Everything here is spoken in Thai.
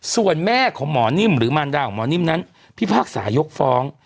ส่วนแม่ของหมอนิ่มหรือมารดาของหมอนิ่มนั้นพิพากษายกฟ้อง